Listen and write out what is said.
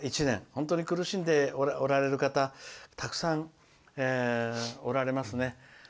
本当に苦しんでおられる方たくさんおられますね。